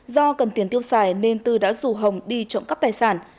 do cần tiền tiêu xài nên tư đã rủ hồng đi trộm cắp tài sản